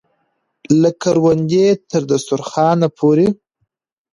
له کروندې تر دسترخانه پورې.